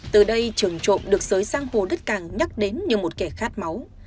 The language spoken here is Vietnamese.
từ đây trường trộm được sới sang hồ đất càng nhắc đến như một kẻ khát máu